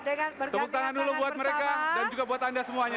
tepuk tangan dulu buat mereka dan juga buat anda semuanya